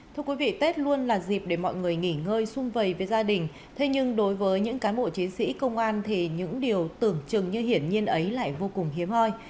thưa quý vị tết luôn là dịp để mọi người nghỉ ngơi sung vầy với gia đình thế nhưng đối với những cán bộ chiến sĩ công an thì những điều tưởng chừng như hiển nhiên ấy lại vô cùng hiếm hoi